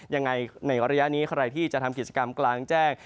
ในระยะนี้ใครที่จะทำกิจกรรมกลางแจ้ง